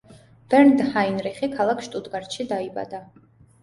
ბერნდ ჰაინრიხი ქალაქ შტუტგარტში დაიბადა.